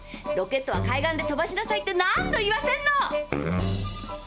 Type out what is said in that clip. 「ロケットは海岸で飛ばしなさい」って何度言わせんの！